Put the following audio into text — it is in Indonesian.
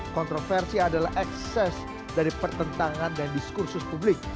kontroversi adalah ekses dari pertentangan dan diskursus publik